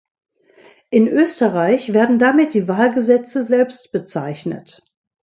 In Österreich werden damit die Wahlgesetze selbst bezeichnet.